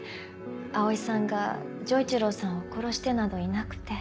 葵さんが丈一郎さんを殺してなどいなくて。